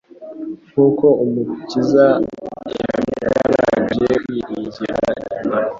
Nkuko Umukiza yagaragaje kwiringira Imana,